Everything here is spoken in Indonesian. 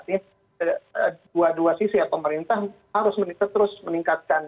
artinya dua dua sisi ya pemerintah harus terus meningkatkan